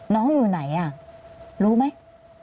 น้องอยู่ไหนรู้ไหม